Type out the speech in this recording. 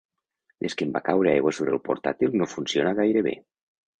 Des que em va caure aigua sobre el portàtil no funciona gaire bé.